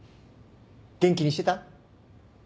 元気にしてた？